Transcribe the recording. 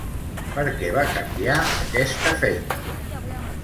Per què va canviar aquesta feina?